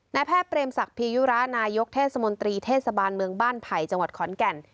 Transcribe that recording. แพทย์เปรมศักดิยุระนายกเทศมนตรีเทศบาลเมืองบ้านไผ่จังหวัดขอนแก่น